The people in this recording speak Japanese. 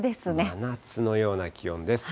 真夏のような気温です。